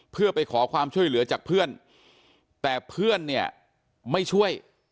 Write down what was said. เพื่อไปขอความช่วยเหลือจากเพื่อนแต่เพื่อนเนี่ยไม่ช่วย